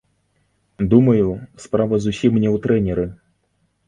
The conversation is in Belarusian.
Думаю, справа зусім не ў трэнеры.